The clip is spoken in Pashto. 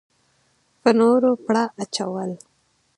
په نورو پړه اچول.